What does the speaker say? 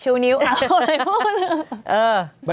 ชูนิ้วแล้วคนไทยพูด